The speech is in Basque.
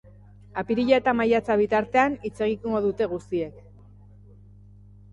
Apirila eta maiatza bitartean hitz egingo dute guztiek.